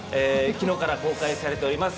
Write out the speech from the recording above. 昨日から公開されております